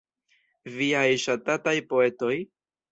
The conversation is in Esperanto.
Viaj ŝatataj poetoj?